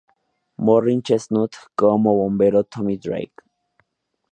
Morris Chestnut como Bombero Tommy Drake.